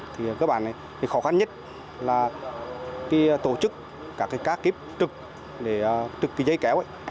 thì cơ bản khó khăn nhất là tổ chức các kiếp trực dây kéo